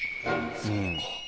そうか。